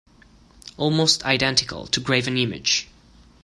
Almost identical to Graven Image.